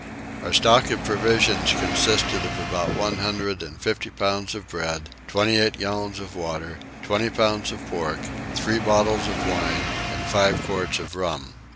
Our stock of provisions consisted of about one hundred and fifty pounds of bread, twenty eight gallons of water, twenty pounds of pork, three bottles of wine, and five quarts of rum.